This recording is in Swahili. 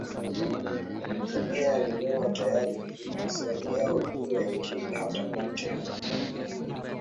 wenye elimuWawe tayari kujibu maswali yao juu ya Injili hata kutetea